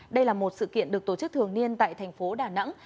đây là một sự kiện được tổ chức thường niên tại tp đà nẵng